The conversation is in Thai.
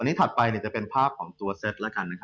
อันนี้ถัดไปจะเป็นภาพของตัวเซ็ต